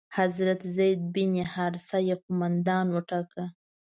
حضرت زید بن حارثه یې قومندان وټاکه.